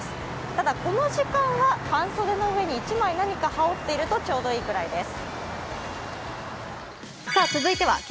ただこの時間は半袖の上に１枚何か羽織っているとちょうどいいくらいです。